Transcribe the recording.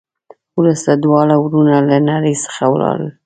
وروسته دواړه ورونه له نړۍ څخه ولاړل.